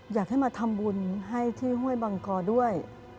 อยากให้มาทำบุญให้ที่ห้วยบังกอด้วย